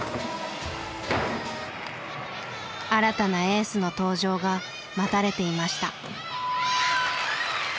新たなエースの登場が待たれていました。